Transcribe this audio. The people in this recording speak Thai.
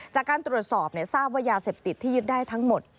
จากการตรวจสอบทราบว่ายาเสพติดที่ยึดได้ทั้งหมด